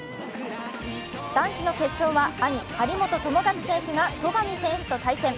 男子の決勝は兄・張本智和選手が戸上選手と対戦。